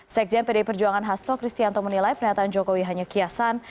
sekjen pdi perjuangan hasto kristianto menilai pernyataan jokowi hanya kiasan